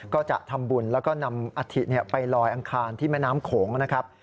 ก็จะทำบุญแล้วก็นำอัฐิไปลอยอังคารที่แม่น้ำโขงนะครับ